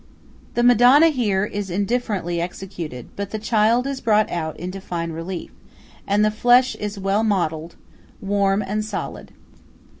The Madonna here is indifferently executed; but the Child is brought out into fine relief, and the flesh is well modelled, warm, and solid.